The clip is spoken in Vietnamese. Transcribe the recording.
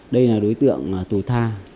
đây là đối tượng tù tha